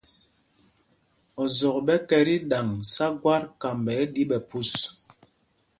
Ozɔk ɓɛ kɛ tí ɗaŋ sá gwát, kamba ɛ́ ɗí ɓɛ̌ phūs.